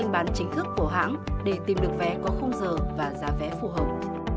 bán chính thức của hãng để tìm được vé có khung giờ và giá vé phù hợp